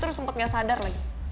terus sempet gak sadar lagi